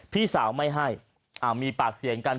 พี่สาวไม่ให้มีปากเสียงกัน